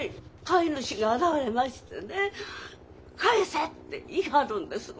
飼い主が現れましてね「返せ」って言い張るんです。